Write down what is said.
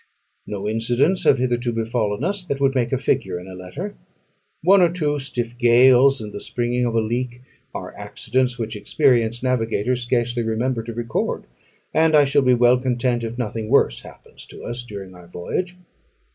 No incidents have hitherto befallen us that would make a figure in a letter. One or two stiff gales, and the springing of a leak, are accidents which experienced navigators scarcely remember to record; and I shall be well content if nothing worse happen to us during our voyage.